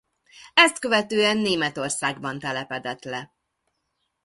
Ezt követően Németországban telepedett le.